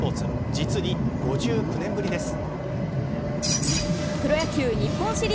実に５９年ぶりです。